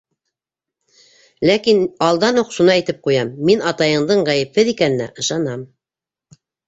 Ләкин алдан уҡ шуны әйтеп ҡуям: мин атайыңдың ғәйепһеҙ икәненә ышанам.